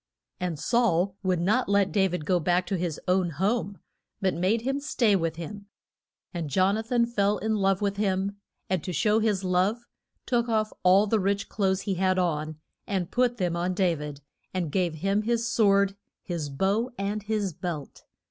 And Saul would not let Da vid go back to his own home, but made him stay with him. And Jon a than fell in love with him, and to show his love, took off all the rich clothes he had on and put them on Da vid, and gave him his sword, his bow, and his belt.